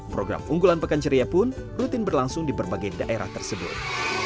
program unggulan pekan ceria pun rutin berlangsung di berbagai daerah tersebut